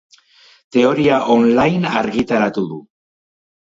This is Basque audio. Teoria online argitaratu du.